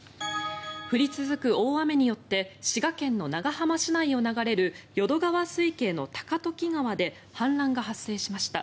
降り続く大雨によって滋賀県の長浜市内を流れる淀川水系の高時川で氾濫が発生しました。